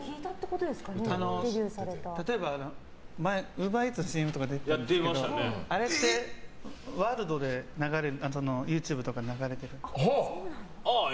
例えばウーバーイーツのＣＭとか出てたんですけどあれってワールドでＹｏｕＴｕｂｅとかで流れてて。